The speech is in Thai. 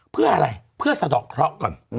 เพื่ออะไรเพื่อสะดอกเคราะห์ก่อน